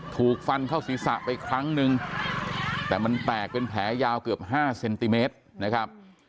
ถูกฟันเข้าศีรษะไปครั้งนึงแต่มันแตกเป็นแผลยาวเกือบ๕เซนติเมตรนะครับ